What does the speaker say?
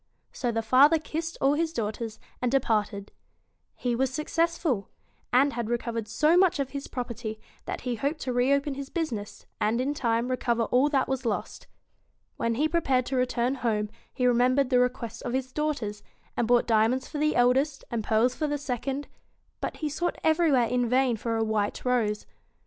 So the father kissed all his daughters, and de parted. He was successful ; and had recovered so much of his property that he hoped to reopen his business, and in time recover all that was lost. When he prepared to return home, he remem bered the requests of his daughters, and bought diamonds for the eldest and pearls for the second ; but he sought everywhere in vain for a white rose.